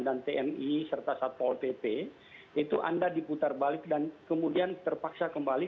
dan tni serta satpol pp itu anda diputar balik dan kemudian terpaksa kembali